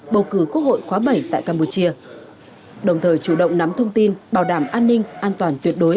bầu cử quốc hội khóa bảy tại campuchia đồng thời chủ động nắm thông tin bảo đảm an ninh an toàn tuyệt đối